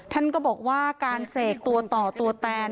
ท่านก็บอกว่าการเสกตัวต่อตัวแตน